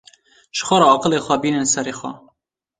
Ji xwe re aqilê xwe bînin serê xwe